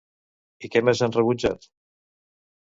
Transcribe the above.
I què més han rebutjat?